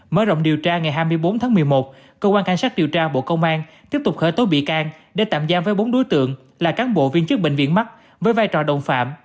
mới rộng điều tra ngày hai mươi bốn tháng một mươi một cơ quan cảnh sát điều tra bộ công an tiếp tục khởi tố bị can để tạm giam với bốn đối tượng là cán bộ viên chức bệnh viện mắt với vai trò đồng phạm